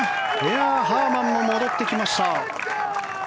ハーマンも戻ってきました。